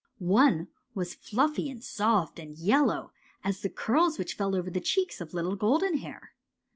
One was fluffy and soft and yellow as the curls which fell over the cheeks of little Golden Hair.